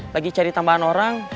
lagi cari tambahan orang